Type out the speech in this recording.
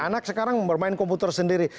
anak sekarang bermain komputer sendiri